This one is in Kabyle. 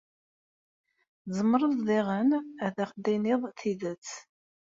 Tzemreḍ daɣen ad aɣ-d-tiniḍ tidet.